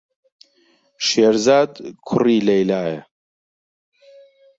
شێرزاد کوڕی لەیلایە.